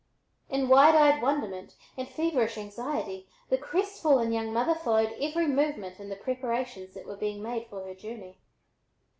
In wide eyed wonderment and feverish anxiety, the crestfallen young mother followed every movement in the preparations that were being made for her journey.